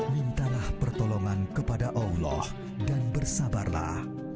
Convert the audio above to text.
mintalah pertolongan kepada allah dan bersabarlah